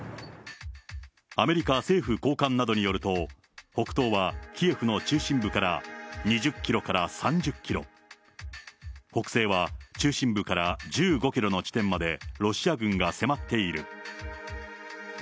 アメリカ政府高官などによると、北東はキエフの中心部から２０キロから３０キロ、北西は中心部から１５キロの地点までロシア軍が迫っている。